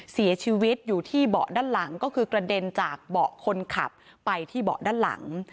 เสียชีวิตอยู่ที่เบาะด้านหลังก็คือกระเด็นจากเบาะคนขับไปที่เบาะด้านหลัง